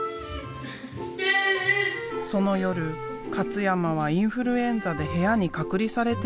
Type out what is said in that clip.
その夜勝山はインフルエンザで部屋に隔離されていた。